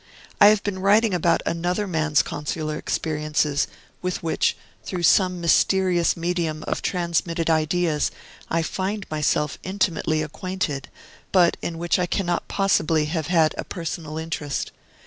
I have been writing about another man's consular experiences, with which, through some mysterious medium of transmitted ideas, I find myself intimately acquainted, but in which I cannot possibly have had a personal interest.